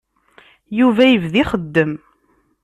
Yuba yebda ixeddem.